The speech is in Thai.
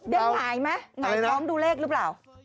เดี๋ยวหายไหมหน่อยพร้อมดูเลขรึเปล่า